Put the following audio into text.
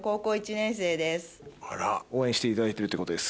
応援していただいてるってことです。